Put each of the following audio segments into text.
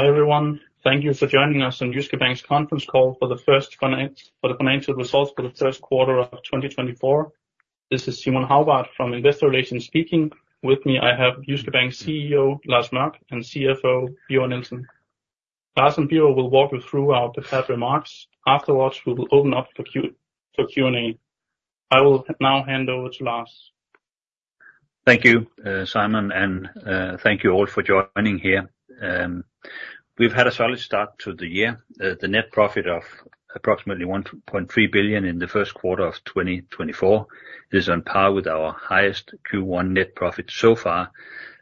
Hi, everyone. Thank you for joining us on Jyske Bank's conference call for the financial results for the first quarter of 2024. This is Simon Hagbart from Investor Relations speaking. With me, I have Jyske Bank's CEO, Lars Mørch, and CFO, Birger Nielsen. Lars and Birger will walk you through our prepared remarks. Afterwards, we will open up for Q&A. I will now hand over to Lars. Thank you, Simon, and thank you all for joining here. We've had a solid start to the year. The net profit of approximately 1.3 billion in the first quarter of 2024 is on par with our highest Q1 net profit so far,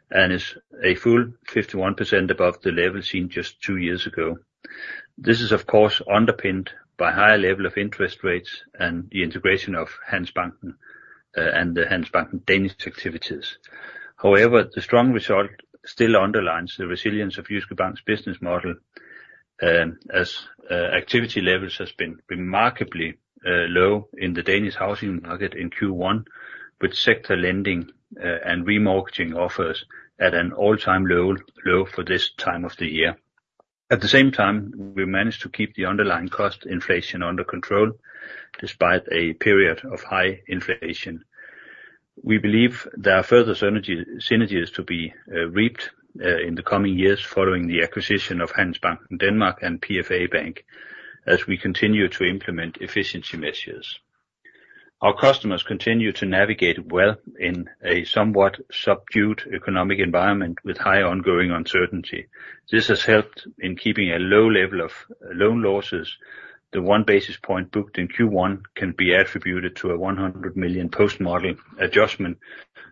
and is a full 51% above the level seen just two years ago. This is, of course, underpinned by higher level of interest rates and the integration of Handelsbanken, and the Handelsbanken Danish activities. However, the strong result still underlines the resilience of Jyske Bank's business model, as activity levels has been remarkably low in the Danish housing market in Q1, with sector lending and remortgaging offers at an all-time low for this time of the year. At the same time, we managed to keep the underlying cost inflation under control, despite a period of high inflation. We believe there are further synergy, synergies to be reaped in the coming years following the acquisition of Handelsbanken in Denmark and PFA Bank, as we continue to implement efficiency measures. Our customers continue to navigate well in a somewhat subdued economic environment with high ongoing uncertainty. This has helped in keeping a low level of loan losses. The one basis point booked in Q1 can be attributed to a 100 million post-model adjustment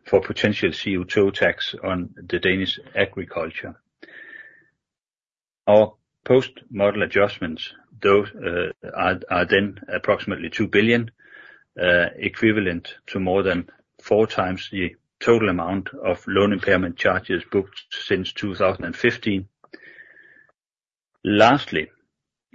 for potential CO2 tax on the Danish agriculture. Our post-model adjustments, though, are then approximately 2 billion, equivalent to more than 4x the total amount of loan impairment charges booked since 2015. Lastly,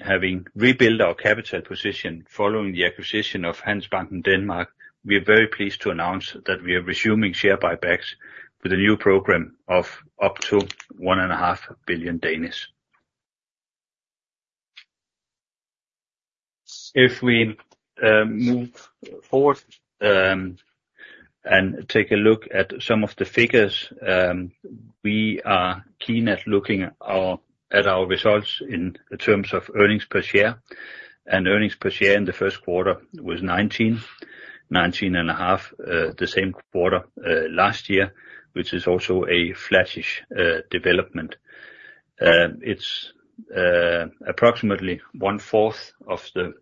having rebuilt our capital position following the acquisition of Handelsbanken Denmark, we are very pleased to announce that we are resuming share buybacks with a new program of up to 1.5 billion. If we move forward and take a look at some of the figures, we are keen at looking our, at our results in terms of earnings per share, and earnings per share in the first quarter was 19, 19.5 the same quarter last year, which is also a flattish development. It's approximately one fourth of the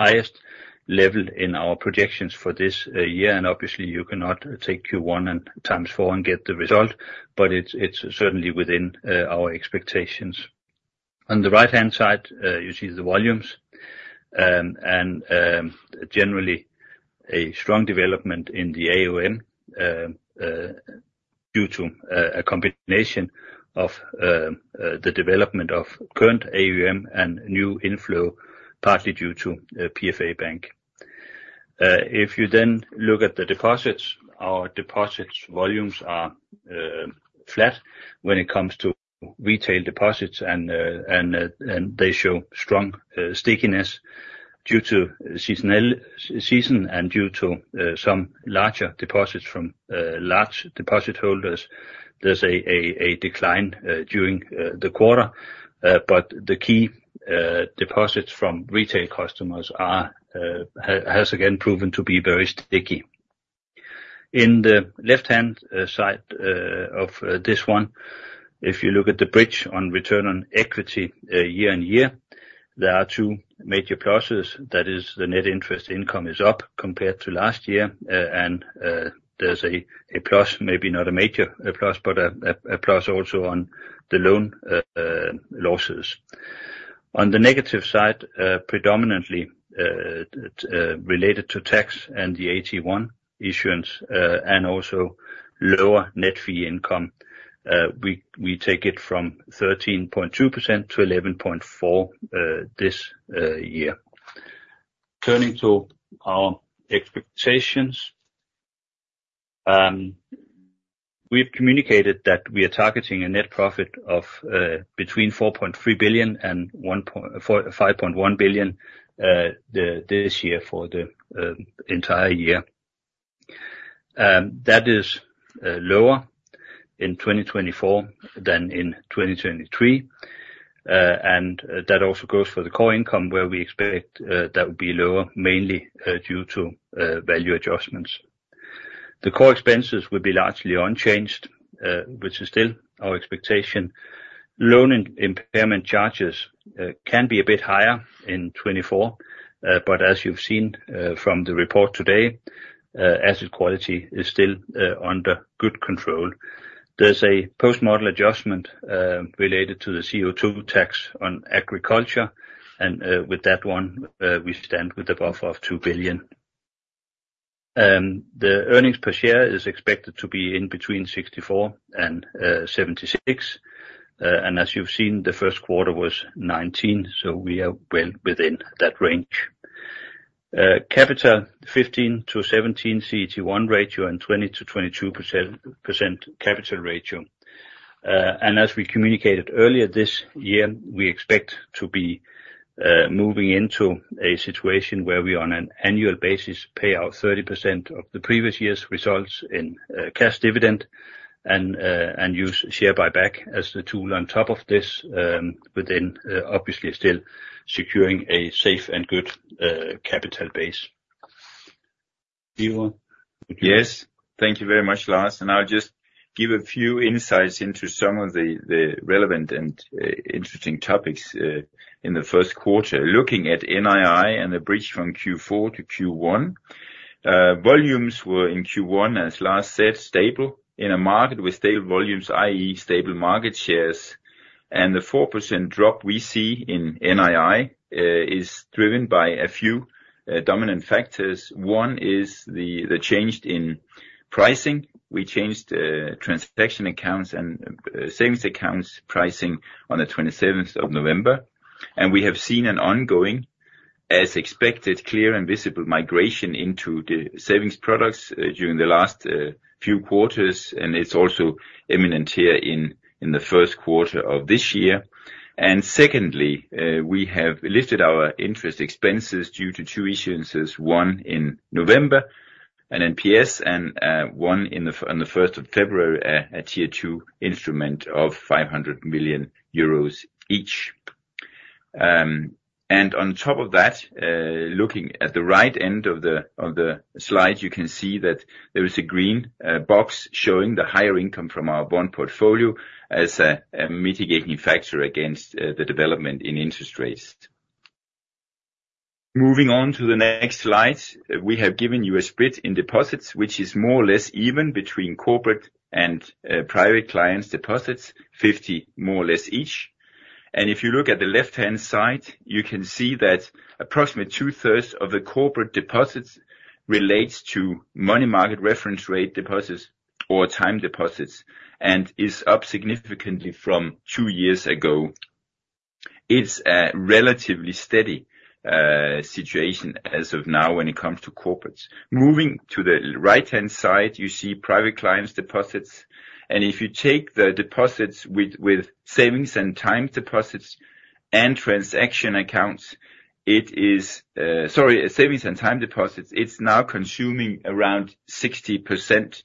highest level in our projections for this year, and obviously, you cannot take Q1 and times four and get the result, but it's certainly within our expectations. On the right-hand side, you see the volumes, and generally, a strong development in the AUM, due to a combination of the development of current AUM and new inflow, partly due to PFA Bank. If you then look at the deposits, our deposits volumes are flat when it comes to retail deposits, and they show strong stickiness due to seasonality and due to some larger deposits from large deposit holders. There's a decline during the quarter, but the key deposits from retail customers are has again proven to be very sticky. In the left-hand side of this one, if you look at the bridge on return on equity, year-on-year, there are two major pluses. That is the net interest income is up compared to last year, and there's a plus, maybe not a major plus, but a plus also on the loan losses. On the negative side, predominantly related to tax and the AT1 issuance, and also lower net fee income, we take it from 13.2% to 11.4% this year. Turning to our expectations, we've communicated that we are targeting a net profit of between 4.3 billion and 5.1 billion this year for the entire year. That is lower in 2024 than in 2023, and that also goes for the core income, where we expect that will be lower, mainly due to value adjustments. The core expenses will be largely unchanged, which is still our expectation. Loan and impairment charges can be a bit higher in 2024, but as you've seen, from the report today, asset quality is still under good control. There's a post-model adjustment related to the CO2 tax on agriculture, and with that one, we stand with the buffer of 2 billion. The earnings per share is expected to be in between 64 and 76. And as you've seen, the first quarter was 19, so we are well within that range. Capital 15%-17% CET1 ratio, and 20%-22% capital ratio. As we communicated earlier this year, we expect to be moving into a situation where we on an annual basis pay out 30% of the previous year's results in cash dividend, and use share buyback as the tool on top of this, within, obviously, still securing a safe and good capital base. Birger Krøgh Nielsen? Yes, thank you very much, Lars, and I'll just give a few insights into some of the relevant and interesting topics in the first quarter. Looking at NII and the bridge from Q4 to Q1, volumes were in Q1, as Lars said, stable. In a market with stable volumes, i.e., stable market shares, and the 4% drop we see in NII is driven by a few dominant factors. One is the change in pricing. We changed transaction accounts and savings accounts pricing on the 27th of November, and we have seen an ongoing, as expected, clear and visible migration into the savings products during the last few quarters, and it's also evident here in the first quarter of this year. And secondly, we have lifted our interest expenses due to two issuances, one in November, an NPS, and one on the first of February, a Tier 2 instrument of 500 million euros each. And on top of that, looking at the right end of the slide, you can see that there is a green box showing the higher income from our bond portfolio as a mitigating factor against the development in interest rates. Moving on to the next slide, we have given you a split in deposits, which is more or less even between corporate and private clients' deposits, 50, more or less each. And if you look at the left-hand side, you can see that approximately two-thirds of the corporate deposits relates to money market reference rate deposits or time deposits, and is up significantly from two years ago. It's a relatively steady, situation as of now, when it comes to corporates. Moving to the right-hand side, you see private clients deposits, and if you take the deposits with, with savings and time deposits and transaction accounts, it is, sorry, savings and time deposits, it's now consuming around 60%,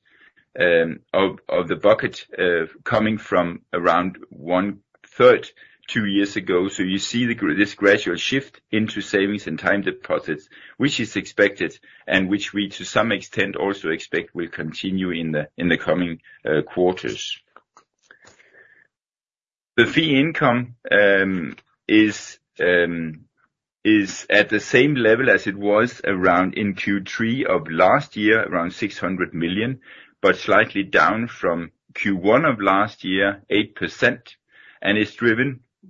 of, of the bucket, coming from around one-third, two years ago. So you see this gradual shift into savings and time deposits, which is expected, and which we, to some extent, also expect will continue in the, in the coming, quarters. The fee income is at the same level as it was around in Q3 of last year, around 600 million, but slightly down from Q1 of last year, 8%, and it's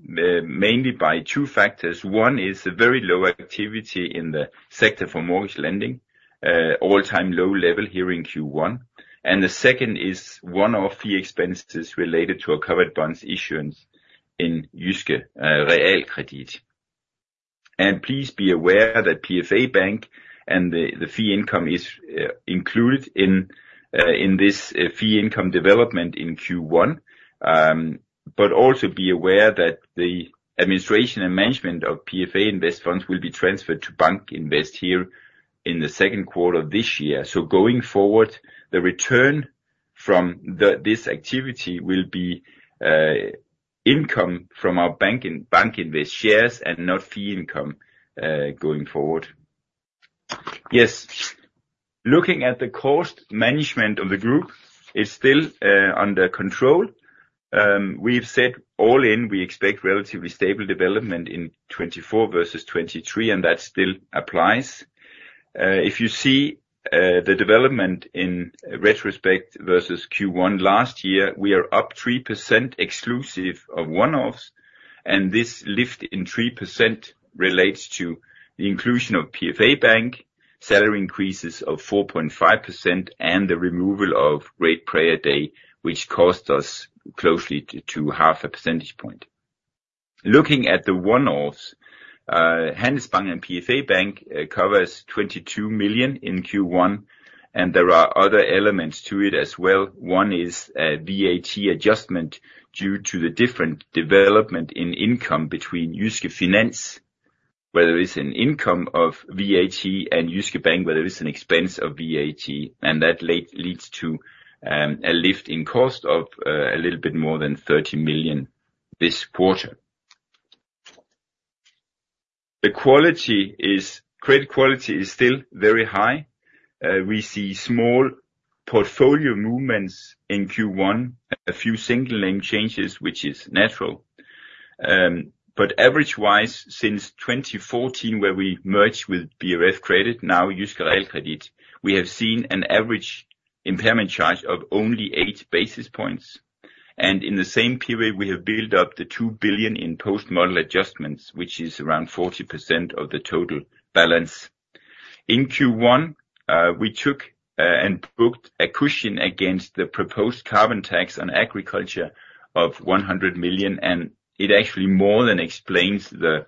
driven mainly by two factors. One is the very low activity in the sector for mortgage lending, all-time low level here in Q1. And the second is one-off fee expenses related to a covered bonds issuance in Jyske Realkredit. And please be aware that PFA Bank and the fee income is included in this fee income development in Q1. But also be aware that the administration and management of PFA Invest funds will be transferred to BankInvest here in the second quarter of this year. So going forward, the return from this activity will be income from our banking, BankInvest shares and not fee income, going forward. Yes. Looking at the cost management of the group, it's still under control. We've said all in, we expect relatively stable development in 2024 versus 2023, and that still applies. If you see the development in retrospect versus Q1 last year, we are up 3%, exclusive of one-offs, and this lift in 3% relates to the inclusion of PFA Bank, salary increases of 4.5%, and the removal of Great Prayer Day, which cost us close to half a percentage point. Looking at the one-offs, Handelsbanken and PFA Bank covers 22 million in Q1, and there are other elements to it as well. One is a VAT adjustment due to the different development in income between Jyske Finans, where there is an income of VAT, and Jyske Bank, where there is an expense of VAT, and that leads to a lift in cost of a little bit more than 30 million this quarter. The credit quality is still very high. We see small portfolio movements in Q1, a few single name changes, which is natural. But average-wise, since 2014, where we merged with BRFkredit, now Jyske Realkredit, we have seen an average impairment charge of only eight basis points, and in the same period, we have built up 2 billion in post-model adjustments, which is around 40% of the total balance. In Q1-.We took and booked a cushion against the proposed carbon tax on agriculture of 100 million, and it actually more than explains the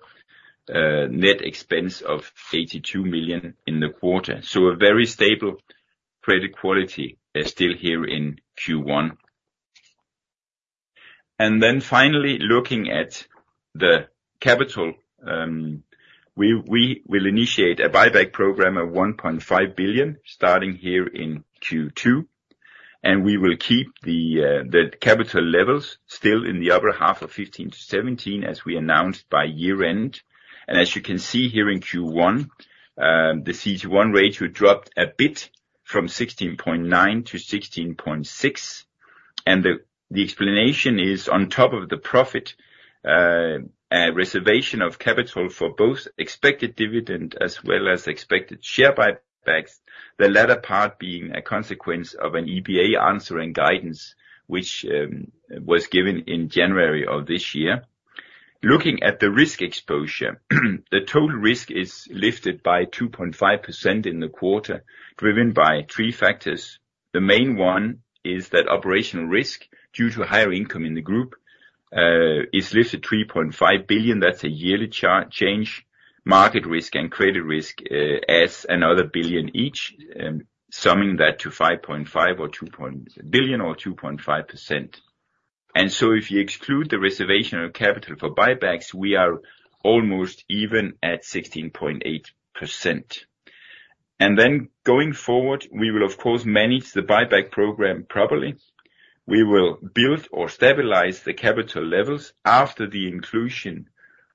net expense of 82 million in the quarter. So a very stable credit quality is still here in Q1. And then finally, looking at the capital, we will initiate a buyback program of 1.5 billion, starting here in Q2, and we will keep the capital levels still in the upper half of 15-17, as we announced by year-end. As you can see here in Q1, the CET1 rate we dropped a bit from 16.9% to 16.6%, and the explanation is on top of the profit, a reservation of capital for both expected dividend as well as expected share buybacks, the latter part being a consequence of an EBA answering guidance, which was given in January of this year. Looking at the risk exposure, the total risk is lifted by 2.5% in the quarter, driven by three factors. The main one is that operational risk, due to higher income in the group, is listed 3.5 billion. That's a yearly change. Market risk and credit risk adds another 1 billion each, summing that to 5.5 billion, or 2.5%. If you exclude the reservation of capital for buybacks, we are almost even at 16.8%. Then, going forward, we will of course manage the buyback program properly. We will build or stabilize the capital levels after the inclusion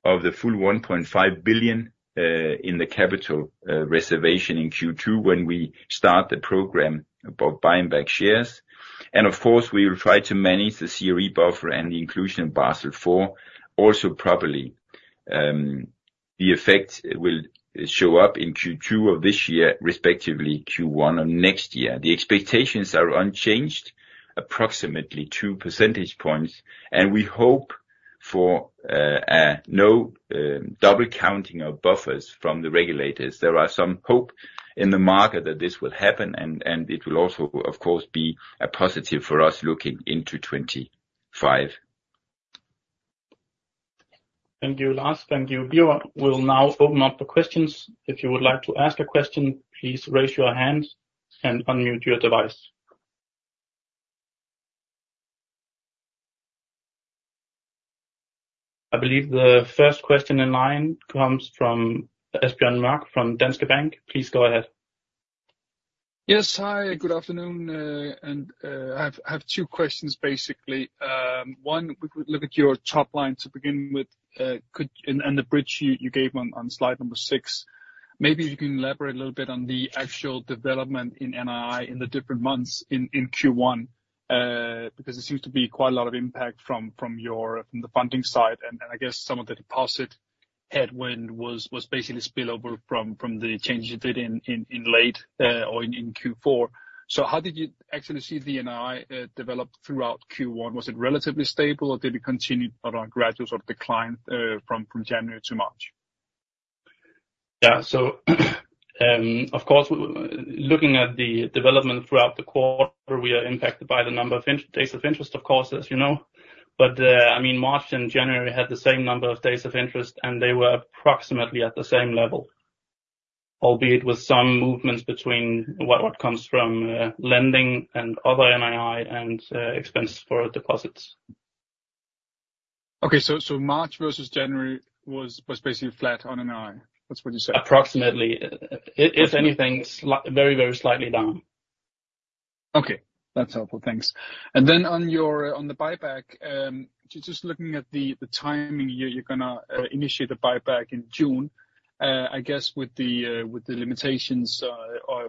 of the full 1.5 billion in the capital reservation in Q2, when we start the program about buying back shares. And of course, we will try to manage the CRE buffer and the inclusion of Basel IV also properly. The effect will show up in Q2 of this year, respectively, Q1 of next year. The expectations are unchanged, approximately 2 percentage points, and we hope for no double counting of buffers from the regulators. There is some hope in the market that this will happen, and it will also, of course, be a positive for us looking into 2025. Thank you, Lars. Thank you, Birger. We'll now open up the questions. If you would like to ask a question, please raise your hand and unmute your device. I believe the first question in line comes from Asbjørn Mørk, from Danske Bank. Please go ahead. Yes. Hi, good afternoon. I have two questions, basically. One, we could look at your top line to begin with. And the bridge you gave on slide number 6. Maybe you can elaborate a little bit on the actual development in NII in the different months in Q1, because there seems to be quite a lot of impact from your funding side, and I guess some of the deposit headwind was basically spillover from the changes you did in late or in Q4. So how did you actually see the NII develop throughout Q1? Was it relatively stable, or did it continue on a gradual sort of decline from January to March? Yeah. So, of course, looking at the development throughout the quarter, we are impacted by the number of interest days of interest, of course, as you know. But, I mean, March and January had the same number of days of interest, and they were approximately at the same level, albeit with some movements between what comes from lending and other NII, and expense for deposits. Okay. So March versus January was basically flat on NII. That's what you're saying? Approximately. If anything, very, very slightly down. Okay. That's helpful. Thanks. And then on your buyback, just looking at the timing, you're gonna initiate the buyback in June. I guess with the limitations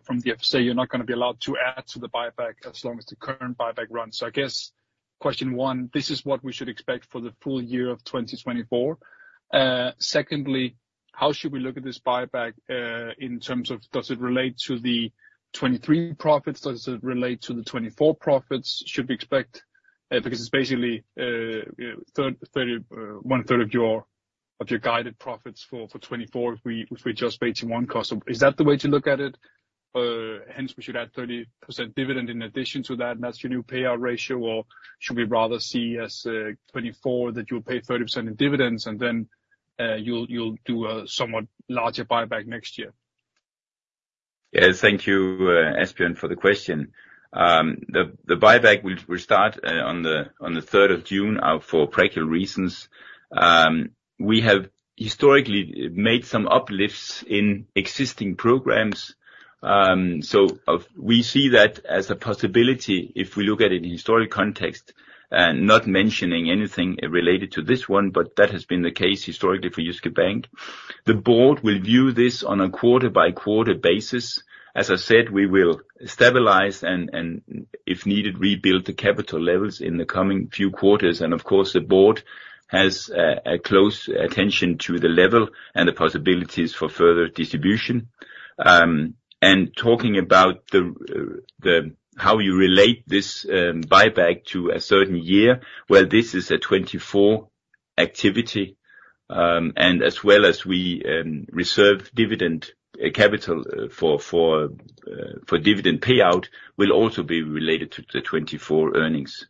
from the FSA, you're not gonna be allowed to add to the buyback as long as the current buyback runs. So I guess, question one, this is what we should expect for the full year of 2024. Secondly, how should we look at this buyback in terms of does it relate to the 2023 profits, does it relate to the 2024 profits? Should we expect... Because it's basically, you know, one third of your guided profits for 2024, if we adjust for H1 costs. Is that the way to look at it? Hence, we should add 30% dividend in addition to that, and that's your new payout ratio, or should we rather see as 24, that you'll pay 30% in dividends, and then you'll do a somewhat larger buyback next year? Yes, thank you, Asbjørn, for the question. The buyback will start on the third of June for practical reasons. We have historically made some uplifts in existing programs, so we see that as a possibility if we look at it in historic context, not mentioning anything related to this one, but that has been the case historically for Jyske Bank. The board will view this on a quarter-by-quarter basis. As I said, we will stabilize and, if needed, rebuild the capital levels in the coming few quarters. And of course, the board has a close attention to the level and the possibilities for further distribution. And talking about the how you relate this buyback to a certain year, well, this is a 2024-activity, and as well as we reserve dividend capital for dividend payout, will also be related to the 2024 earnings.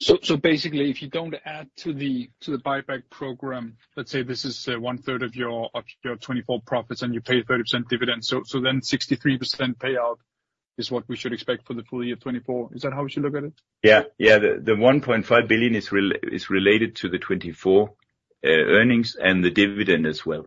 So, basically, if you don't add to the buyback program, let's say this is one third of your 2024 profits, and you pay 30% dividend, so then 63% payout is what we should expect for the full year 2024. Is that how we should look at it? Yeah. Yeah, the 1.5 billion is related to the 2024 earnings and the dividend as well.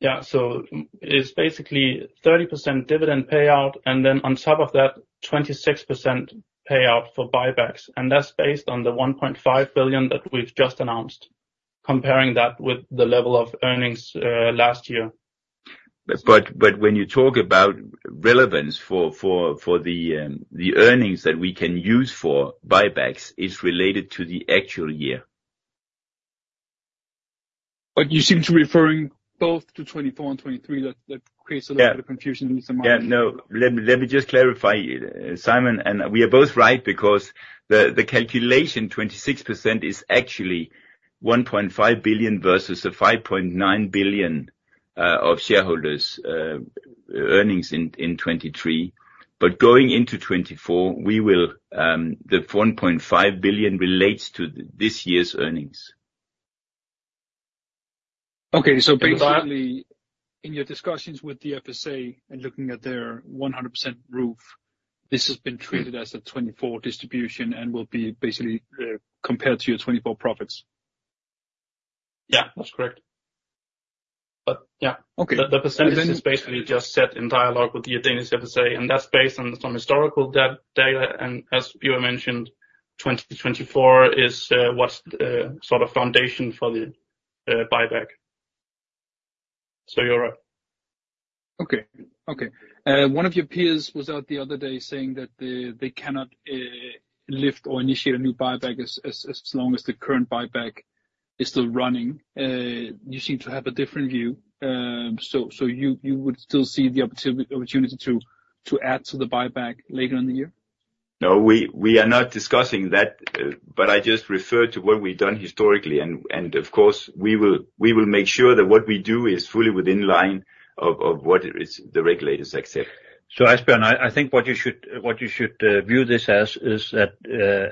Yeah, so it's basically 30% dividend payout, and then on top of that, 26% payout for buybacks, and that's based on the 1.5 billion that we've just announced, comparing that with the level of earnings last year. But when you talk about relevance for the earnings that we can use for buybacks, it's related to the actual year. But you seem to be referring both to 2024 and 2023. That creates a lot of confusion in some- Yeah, no. Let me, let me just clarify, Simon, and we are both right, because the, the calculation, 26%, is actually 1.5 billion versus the 5.9 billion of shareholders', earnings in, in 2023. But going into 2024, we will, the 1.5 billion relates to this year's earnings. Okay, so basically- In your discussions with the FSA and looking at their 100% roof, this has been treated as a 2024 distribution and will be basically compared to your 2024 profits. Yeah, that's correct. But yeah. Okay. The percentage is basically just set in dialogue with the Danish FSA, and that's based on some historical data, and as you have mentioned, 20-24 is what's sort of foundation for the buyback. So you're right. Okay, okay. One of your peers was out the other day saying that they cannot lift or initiate a new buyback as long as the current buyback is still running. You seem to have a different view. So, you would still see the opportunity to add to the buyback later in the year? No, we, we are not discussing that, but I just referred to what we've done historically, and, and of course, we will, we will make sure that what we do is fully within line of, of what is the regulators accept. So, Espen, I think what you should view this as is that,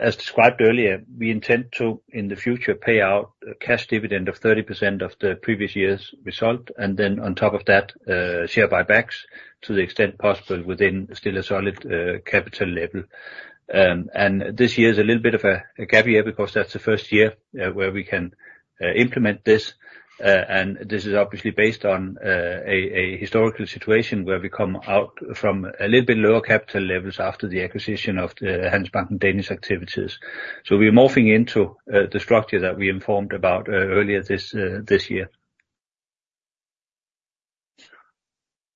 as described earlier, we intend to, in the future, pay out a cash dividend of 30% of the previous year's result, and then on top of that, share buybacks to the extent possible within still a solid capital level. And this year is a little bit of a gap year, because that's the first year where we can implement this. And this is obviously based on a historical situation where we come out from a little bit lower capital levels after the acquisition of the Handelsbanken and Danish activities. So we're morphing into the structure that we informed about earlier this year.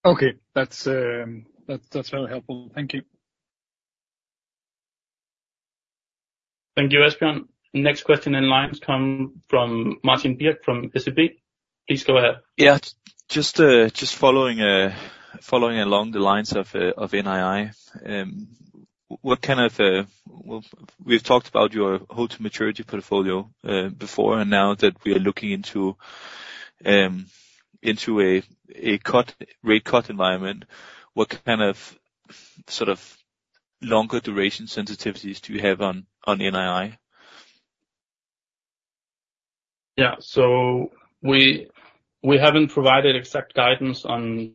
Okay. That's, that's very helpful. Thank you. Thank you, Espen. Next question in line come from Martin Gregers Birk from SEB. Please go ahead. Yeah. Just, just following, following along the lines of NII. What kind of. We've talked about your hold-to-maturity portfolio before, and now that we are looking into a rate cut environment, what kind of sort of longer duration sensitivities do you have on NII? Yeah. So we haven't provided exact guidance on.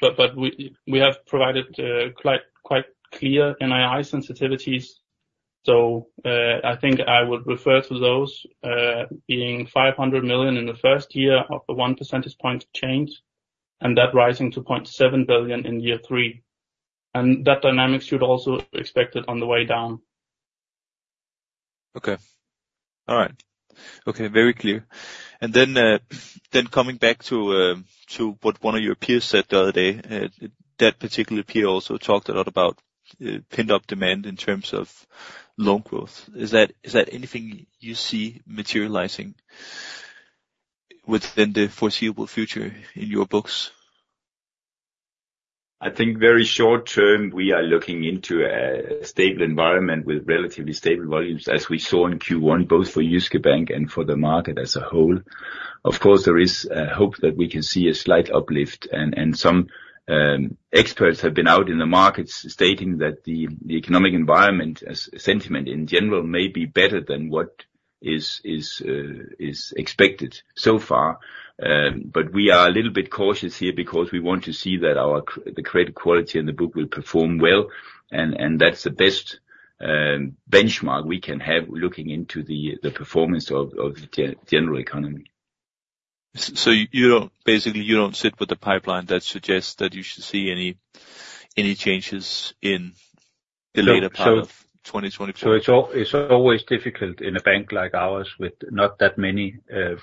But we have provided quite clear NII sensitivities. So, I think I would refer to those, being 500 million in the first year of the 1 percentage point change, and that rising to 0.7 billion in year three. And that dynamic should also be expected on the way down. Okay. All right. Okay, very clear. And then coming back to what one of your peers said the other day, that particular peer also talked a lot about pent-up demand in terms of loan growth. Is that anything you see materializing within the foreseeable future in your books? I think very short term, we are looking into a stable environment with relatively stable volumes, as we saw in Q1, both for Jyske Bank and for the market as a whole. Of course, there is a hope that we can see a slight uplift, and some experts have been out in the markets stating that the economic environment as sentiment in general may be better than what is expected so far. But we are a little bit cautious here because we want to see that the credit quality in the book will perform well, and that's the best benchmark we can have looking into the performance of the general economy. So you don't, basically, you don't sit with a pipeline that suggests that you should see any, any changes in the later part of 2024? So it's always difficult in a bank like ours, with not that many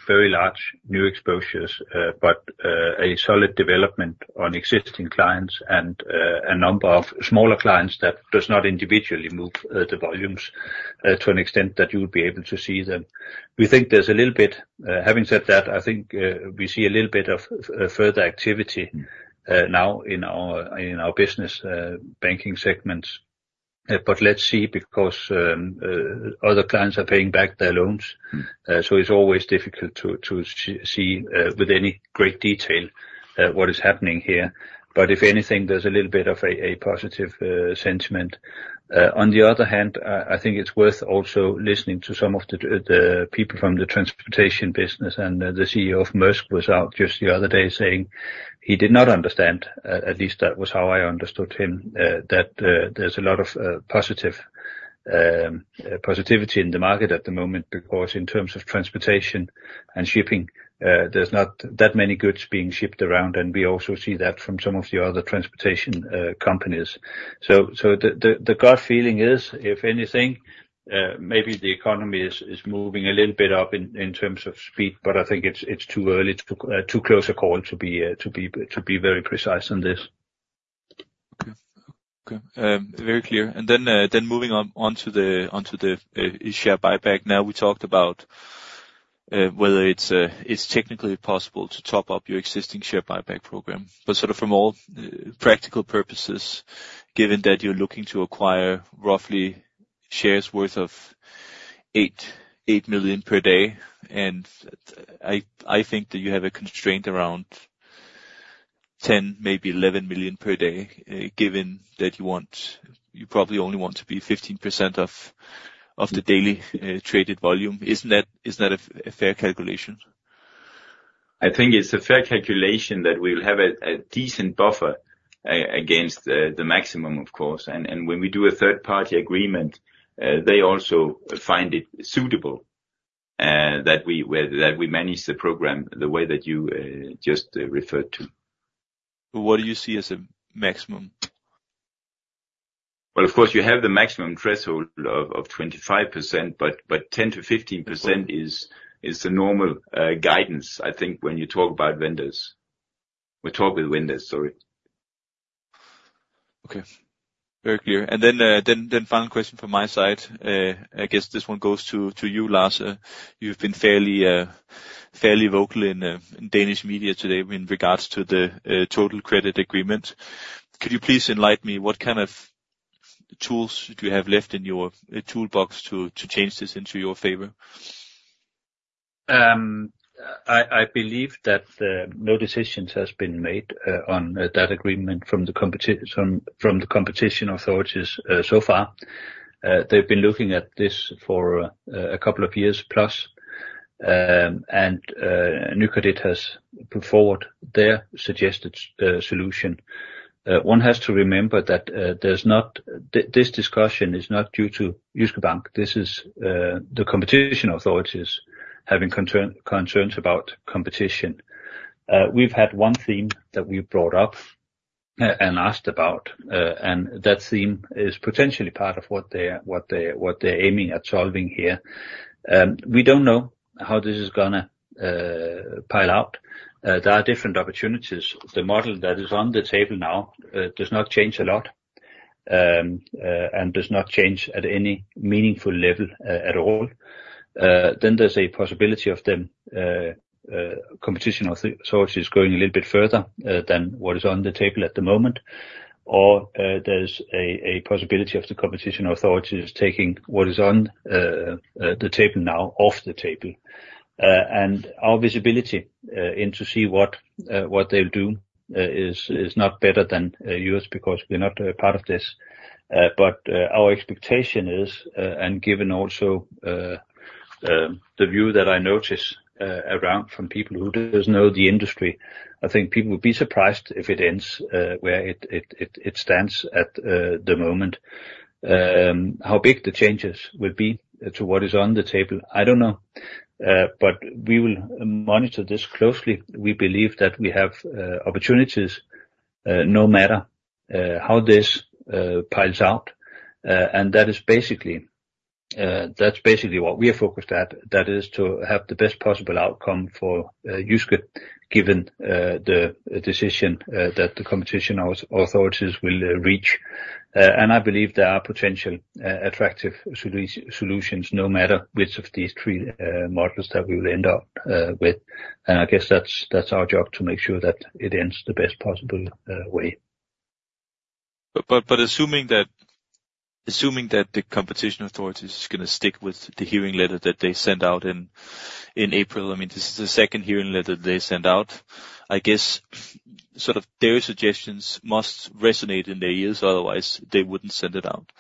very large new exposures, but a solid development on existing clients and a number of smaller clients that does not individually move the volumes to an extent that you would be able to see them. We think there's a little bit, having said that, I think we see a little bit of further activity now in our business banking segments. But let's see, because other clients are paying back their loans. So it's always difficult to see with any great detail what is happening here. But if anything, there's a little bit of a positive sentiment. On the other hand, I think it's worth also listening to some of the people from the transportation business, and the CEO of Maersk was out just the other day saying he did not understand, at least that was how I understood him, that there's a lot of positive positivity in the market at the moment. Because in terms of transportation and shipping, there's not that many goods being shipped around, and we also see that from some of the other transportation companies. So, the gut feeling is, if anything, maybe the economy is moving a little bit up in terms of speed, but I think it's too early, too close a call to be very precise on this. Okay. Okay, very clear. And then moving on, onto the share buyback. Now, we talked about whether it's technically possible to top up your existing share buyback program. But sort of from all practical purposes, given that you're looking to acquire roughly shares worth 8 million per day, and I think that you have a constraint around 10, maybe 11 million per day, given that you probably only want to be 15% of the daily traded volume. Isn't that a fair calculation? I think it's a fair calculation that we'll have a decent buffer against the maximum, of course. And when we do a third-party agreement, they also find it suitable that we manage the program the way that you just referred to. What do you see as a maximum? Well, of course, you have the maximum threshold of 25%, but 10%-15% is the normal guidance, I think, when you talk about vendors. We talk with vendors, sorry. Okay. Very clear. And then final question from my side. I guess this one goes to you, Lars. You've been fairly fairly vocal in Danish media today in regards to the Totalkredit agreement. Could you please enlighten me, what kind of tools do you have left in your toolbox to change this into your favor? I believe that no decisions has been made on that agreement from the competition authorities so far. They've been looking at this for a couple of years plus, and Nykredit has put forward their suggested solution. One has to remember that this discussion is not due to Jyske Bank. This is the competition authorities having concern, concerns about competition. We've had one theme that we brought up and asked about, and that theme is potentially part of what they're aiming at solving here. We don't know how this is gonna play out. There are different opportunities. The model that is on the table now does not change a lot, and does not change at any meaningful level at all. Then there's a possibility of them competition authorities going a little bit further than what is on the table at the moment. Or, there's a possibility of the competition authorities taking what is on the table now, off the table. And our visibility in to see what they'll do is not better than yours, because we're not part of this. But our expectation is, and given also the view that I notice around from people who does know the industry, I think people would be surprised if it ends where it stands at the moment. How big the changes will be to what is on the table? I don't know. But we will monitor this closely. We believe that we have opportunities, no matter how this piles out. And that is basically, that's basically what we are focused at. That is, to have the best possible outcome for Jyske, given the decision that the competition authorities will reach. And I believe there are potential attractive solutions, no matter which of these three models that we will end up with. And I guess that's, that's our job, to make sure that it ends the best possible way. But, but, but assuming that, assuming that the competition authority is gonna stick with the hearing letter that they sent out in April, I mean, this is the second hearing letter they sent out. I guess sort of their suggestions must resonate in their ears, otherwise they wouldn't send it out.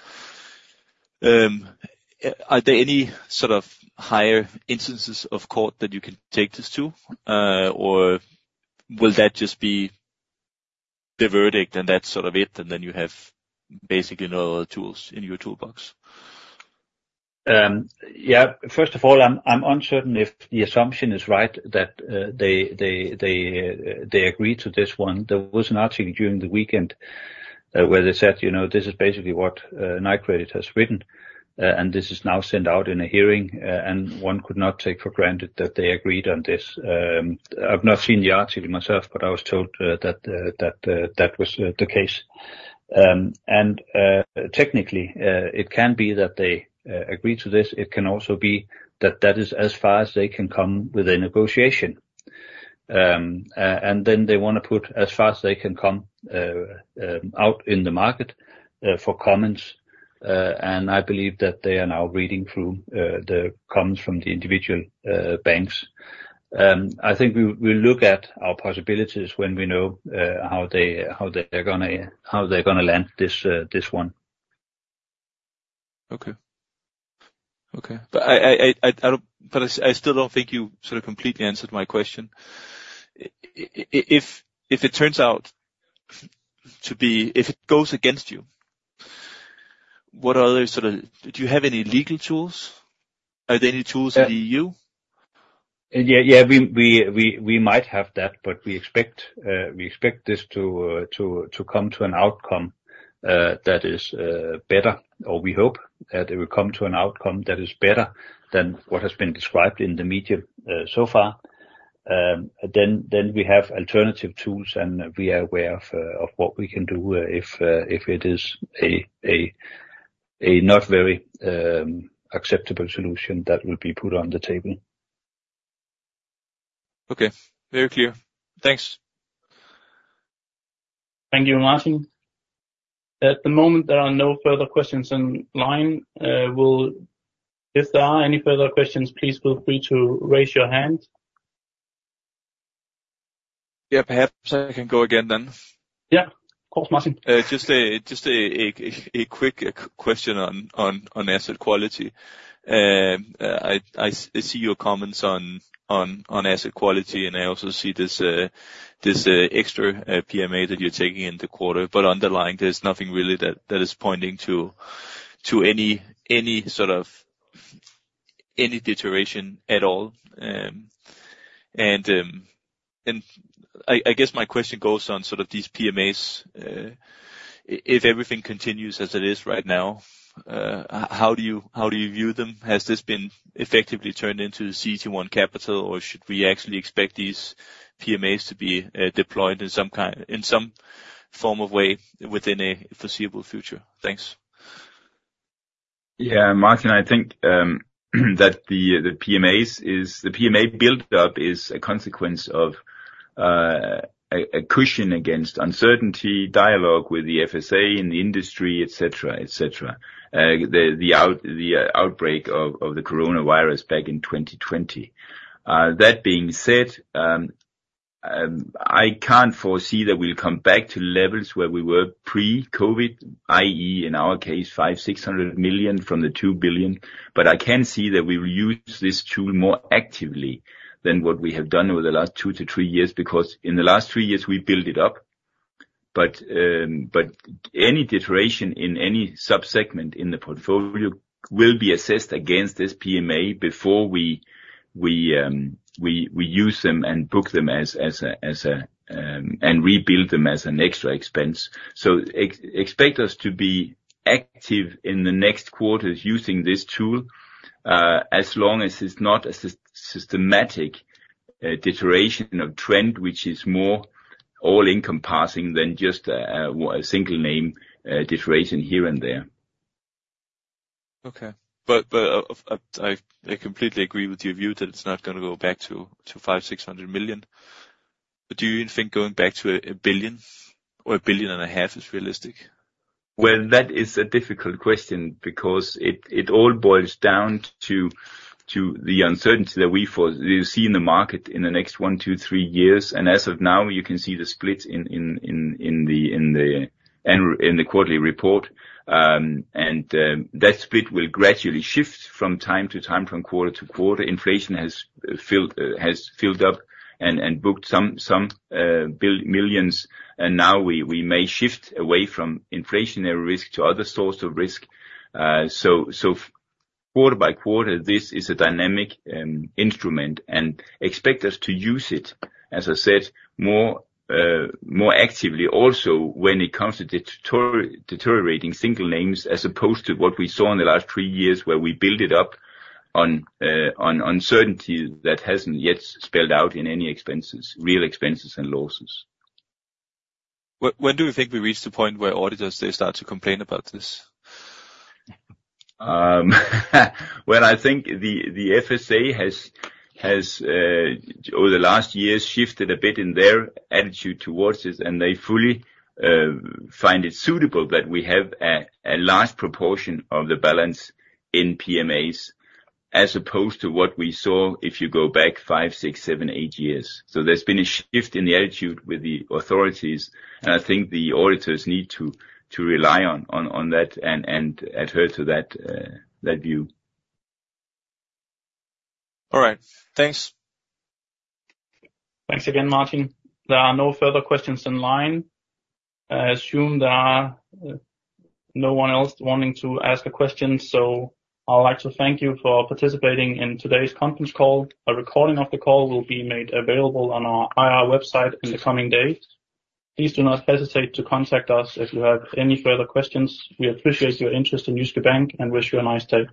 Are there any sort of higher instances of court that you can take this to? Or will that just be the verdict, and that's sort of it, and then you have basically no other tools in your toolbox? Yeah, first of all, I'm uncertain if the assumption is right that they agreed to this one. There was an article during the weekend where they said, you know, this is basically what Nykredit has written, and this is now sent out in a hearing, and one could not take for granted that they agreed on this. I've not seen the article myself, but I was told that that was the case. Technically, it can be that they agree to this. It can also be that that is as far as they can come with a negotiation. Then they wanna put as far as they can come out in the market for comments. I believe that they are now reading through the comments from the individual banks. I think we will look at our possibilities when we know how they're gonna land this, this one. Okay. Okay. But I still don't think you sort of completely answered my question. If it turns out to be... If it goes against you, what are the sort of - do you have any legal tools? Are there any tools in the EU? Yeah, yeah, we might have that, but we expect this to come to an outcome that is better, or we hope that it will come to an outcome that is better than what has been described in the media so far. Then we have alternative tools, and we are aware of what we can do if it is a not very acceptable solution that will be put on the table. Okay. Very clear. Thanks. Thank you, Martin. At the moment, there are no further questions in line. If there are any further questions, please feel free to raise your hand. Yeah, perhaps I can go again then. Yeah. Of course, Martin. Just a quick question on asset quality. I see your comments on asset quality, and I also see this extra PMA that you're taking in the quarter. But underlying, there's nothing really that is pointing to any sort of deterioration at all. And I guess my question goes on sort of these PMAs. If everything continues as it is right now, how do you view them? Has this been effectively turned into CET1 capital, or should we actually expect these PMAs to be deployed in some kind of way within a foreseeable future? Thanks. Yeah, Martin, I think that the PMAs is - the PMA build up is a consequence of a cushion against uncertainty, dialogue with the FSA and the industry, et cetera, et cetera. The outbreak of the coronavirus back in 2020. That being said, I can't foresee that we'll come back to levels where we were pre-COVID, i.e., in our case, 500 million-600 million from the 2 billion, but I can see that we will use this tool more actively than what we have done over the last two-three years, because in the last three years, we built it up. But any deterioration in any sub-segment in the portfolio will be assessed against this PMA before we use them and book them as a. And rebuild them as an extra expense. So expect us to be active in the next quarters using this tool, as long as it's not a systematic deterioration of trend, which is more all-encompassing than just a single name deterioration here and there. Okay. But I completely agree with your view that it's not gonna go back to 500 million-600 million. But do you think going back to 1 billion or 1.5 billion is realistic? Well, that is a difficult question because it all boils down to the uncertainty that we foresee in the market in the next one, two, three years. And as of now, you can see the splits in the quarterly report. And that split will gradually shift from time to time, from quarter to quarter. Inflation has filled up and booked some billions, and now we may shift away from inflationary risk to other sources of risk. So, quarter by quarter, this is a dynamic instrument, and expect us to use it, as I said, more actively, also when it comes to deteriorating single names, as opposed to what we saw in the last three years, where we built it up on uncertainty that hasn't yet spelled out in any expenses, real expenses and losses. When do you think we reach the point where auditors, they start to complain about this? Well, I think the FSA has over the last years shifted a bit in their attitude towards this, and they fully find it suitable that we have a large proportion of the balance in PMAs, as opposed to what we saw, if you go back five, six, seven, eight years. So there's been a shift in the attitude with the authorities, and I think the auditors need to rely on that and adhere to that view. All right. Thanks. Thanks again, Martin. There are no further questions in line. I assume there are no one else wanting to ask a question, so I'd like to thank you for participating in today's conference call. A recording of the call will be made available on our IR website in the coming days. Please do not hesitate to contact us if you have any further questions. We appreciate your interest in Jyske Bank and wish you a nice day.